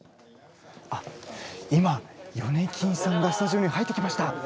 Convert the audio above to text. あっ今ヨネキンさんがスタジオに入ってきました。